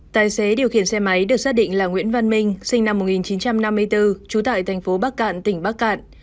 tài xế điều khiển xe máy được xác định là nguyễn văn minh sinh năm một nghìn chín trăm năm mươi bốn trú tại thành phố bắc cạn tỉnh bắc cạn